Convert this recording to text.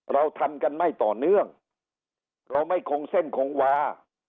เราทำกันไม่ต่อเนื่องเราไม่คงเส้นคงวา